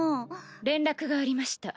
連絡がありました。